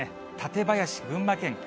舘林、群馬県。